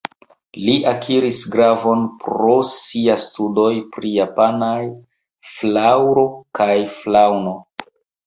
Li akiris gravon pro sia studoj pri japanaj flaŭro kaj faŭno.